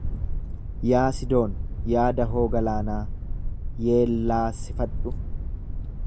Yaa Sidoon, yaa dahoo galaanaa, yeellaasifadhu.